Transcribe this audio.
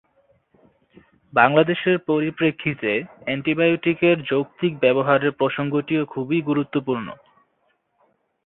বাংলাদেশের পরিপ্রেক্ষিতে অ্যান্টিবায়োটিক-এর যৌক্তিক ব্যবহারের প্রসঙ্গটিও খুবই গুরুত্বপূর্ণ।